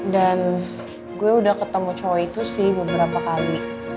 dan gue udah ketemu cowo itu sih beberapa kali